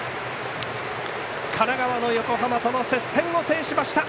神奈川の横浜との接戦を制しました。